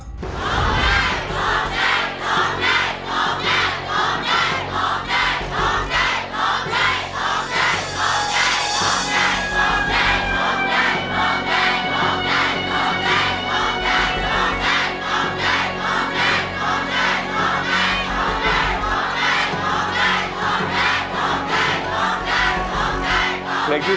ต้องพาสนบรรย์